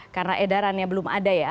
karena edarannya belum ada ya